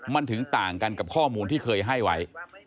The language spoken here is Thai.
มันถึงต่างกันกับข้อมูลที่เคยให้ไว้